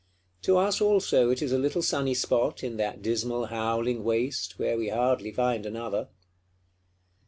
To us also it is a little sunny spot, in that dismal howling waste, where we hardly find another.